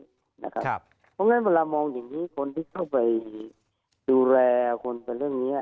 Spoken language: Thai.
เพราะฉะนั้นเวลามองอย่างนี้คนที่เข้าไปดูแลคนเป็นเรื่องนี้